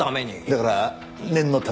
だから念のためにです。